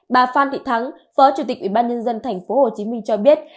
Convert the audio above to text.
bà phan thị thắng phó chủ tịch ủy ban nhân dân thành phố hồ chí minh cho biết